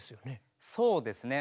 そうですね。